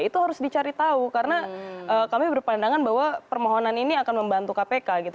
itu harus dicari tahu karena kami berpandangan bahwa permohonan ini akan membantu kpk gitu